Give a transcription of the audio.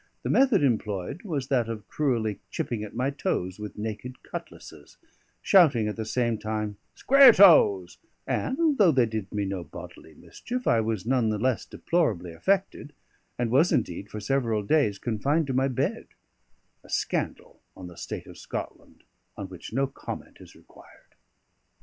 The method employed was that of cruelly chipping at my toes with naked cutlasses, shouting at the same time "Square toes"; and though they did me no bodily mischief, I was none the less deplorably affected, and was indeed for several days confined to my bed: a scandal on the state of Scotland on which no comment is required.